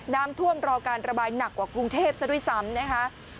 น้ำท่วมรอการระบายหนักกว่ากรุงเทพซะด้วยซ้ำนะคะ